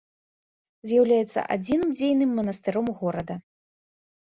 З'яўляецца адзіным дзейным манастыром горада.